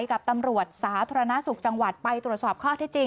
กับตำรวจสาธารณสุขจังหวัดไปตรวจสอบข้อที่จริง